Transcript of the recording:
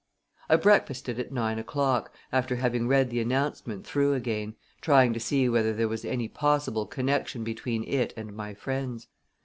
I breakfasted at nine o'clock, after having read the announcement through again, trying to see whether there was any possible connection between it and my friends.